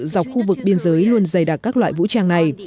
dọc khu vực biên giới luôn dày đặc các loại vũ trang này